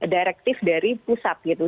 direktif dari pusat gitu